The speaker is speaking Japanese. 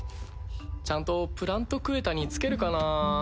ちゃんとプラント・クエタに着けるかなぁ？